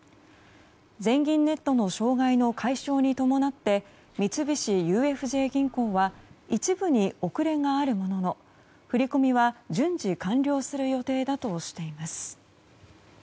全銀ネットの障害の解消に伴って三菱ＵＦＪ銀行は一部に遅れがあるものの振り込みは順次完了する予定だとしています。